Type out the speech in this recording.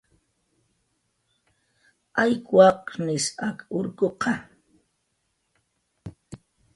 Ayk waqnis ak urkuqa